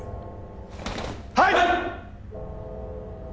はい！